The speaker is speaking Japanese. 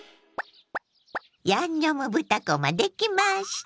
「ヤンニョム豚こま」できました。